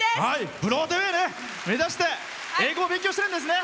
ブロードウェイ目指して英語を勉強してるんですね。